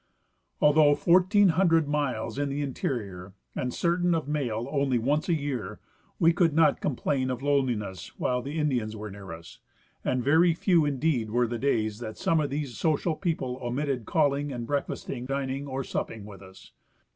Although 1,400 miles in the interior and certain of a mail only once a year, we could not complain of loneliness while the Indians were near us, and very few indeed were the da3^s that some of those social people omitted calling and breakfasting, dining or supping with us.